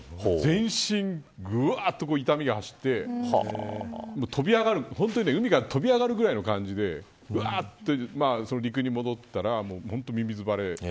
全身ぐわーっと痛みが走って本当に海から飛び上がるぐらいの感じでうわって、陸に戻ったら本当に、みみず腫れ。